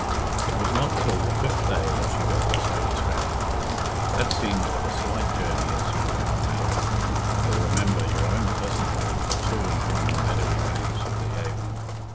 It was not till the fifth day that she got to Stony Stratford. That seems but a slight journey as you look at the map, or remember your own pleasant travels to and from the meadowy banks of the Avon.